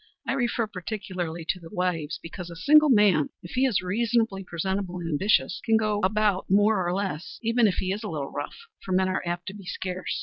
I refer particularly to the wives, because a single man, if he is reasonably presentable and ambitious, can go about more or less, even if he is a little rough, for men are apt to be scarce.